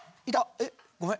えっごめん。